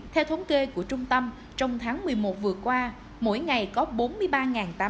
theo thống kê của trung tâm trong tháng một mươi một vừa qua mỗi ngày có bốn mươi ba tám trăm linh lượt xe ô tô